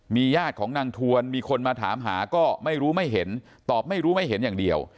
ญาติของนางทวนมีคนมาถามหาก็ไม่รู้ไม่เห็นตอบไม่รู้ไม่เห็นอย่างเดียว